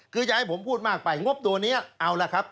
คือจะให้ผมพูดมากไปงบตัวนี้เอาล่ะครับ